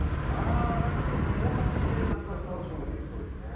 ああ何かこの工作している感じが楽しくできそうですね。